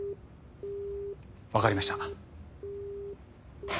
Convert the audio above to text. わかりました。